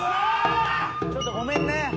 ちょっとごめんね。